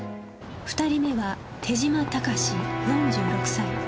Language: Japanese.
２人目は手島隆志４６歳。